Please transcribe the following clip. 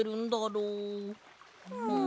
うん。